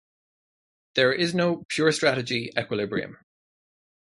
There is no pure-strategy equilibrium.